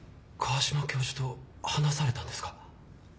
川島教授と話されたんですか？